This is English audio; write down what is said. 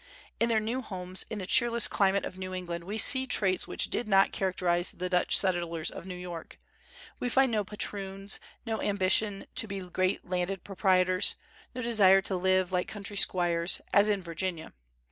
In their new homes in the cheerless climate of New England we see traits which did not characterize the Dutch settlers of New York; we find no patroons, no ambition to be great landed proprietors, no desire to live like country squires, as in Virginia.